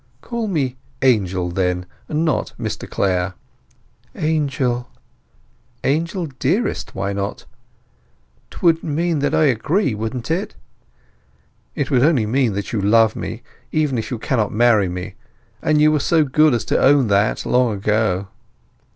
"Call me Angel, then, and not Mr Clare." "Angel." "Angel dearest—why not?" "'Twould mean that I agree, wouldn't it?" "It would only mean that you love me, even if you cannot marry me; and you were so good as to own that long ago."